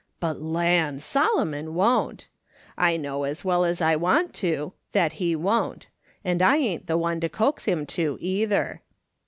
But land ! Solomon won't. I know as well as I want to, that he won't ; and I ain't the one to coax him to either.